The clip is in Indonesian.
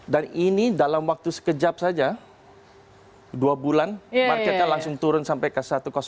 dan ini dalam waktu sekejap saja dua bulan marketnya langsung turun sampai ke satu ratus lima